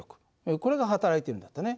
これがはたらいてるんだったね。